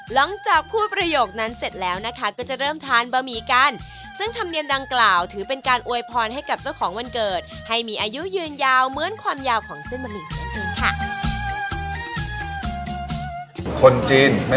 หลังจากพูดประโยคนั้นเศร้านะคะก็จะเริ่มด้ักทานบะหมี่กัน